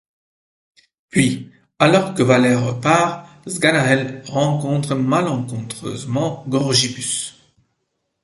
Puis, alors que Valère repart, Sganarelle rencontre malencontreusement Gorgibus.